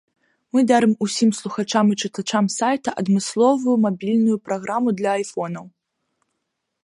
Мы дарым усім слухачам і чытачам сайта адмысловую мабільную праграму для айфонаў.